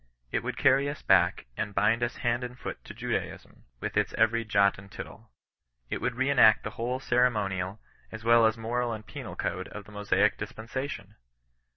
It would carry us back, and bind us hand and foot to Juda ism, with its every ^^jot and tittle^ It would re enact the whole ceremonial, as well as moral and penal code of the Mosaic dispensation